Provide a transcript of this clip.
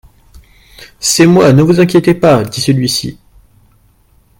C'est moi, ne vous inquiétez pas, dit celui-ci.